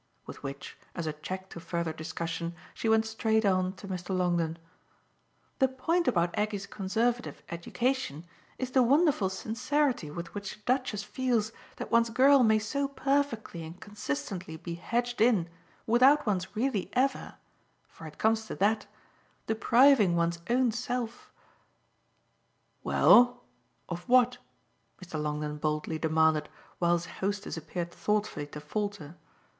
With which, as a check to further discussion, she went straight on to Mr. Longdon: "The point about Aggie's conservative education is the wonderful sincerity with which the Duchess feels that one's girl may so perfectly and consistently be hedged in without one's really ever (for it comes to that) depriving one's own self " "Well, of what?" Mr. Longdon boldly demanded while his hostess appeared thoughtfully to falter.